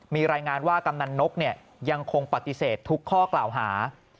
มีรายงานว่ากำนันนกยังคงปฏิเสธทุกข้อกล่าวหา